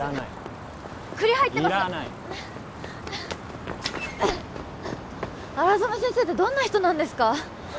いらない荒染先生ってどんな人なんですか？